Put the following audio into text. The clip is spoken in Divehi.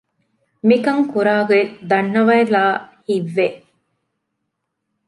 މިކަން ކުރާގޮތް ދަންނަވައިލާ ހިތްވެ